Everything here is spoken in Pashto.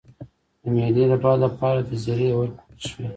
د معدې د باد لپاره د زیرې عرق وڅښئ